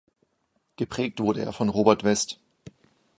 Geprägt wurde er von Robert West.